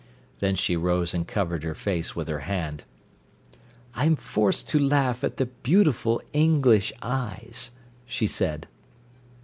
Then she rose and covered her face with her hand. "I'm forced to laugh at the beautiful English eyes," she said.